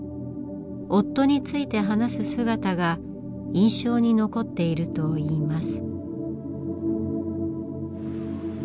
夫について話す姿が印象に残っているといいます。